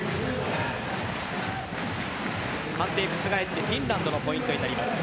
判定、覆ってフィンランドのポイントになります。